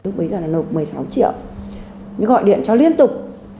nạn nhân đã được gọi điện cho liên tục